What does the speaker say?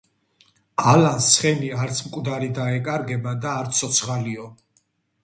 ალანს ცხენი არც მკვდარი დაეკარგება და არც ცოცხალიო